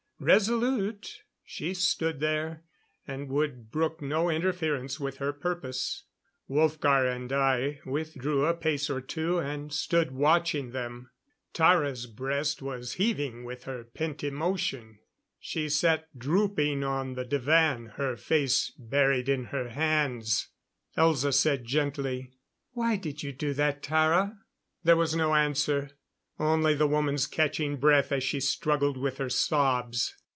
Resolute, she stood there, and would brook no interference with her purpose. Wolfgar and I withdrew a pace or two and stood watching them. Tara's breast was heaving with her pent emotion. She sat drooping on the divan, her face buried in her hands. Elza said gently: "Why did you do that, Tara?" There was no answer; only the woman's catching breath as she struggled with her sobs.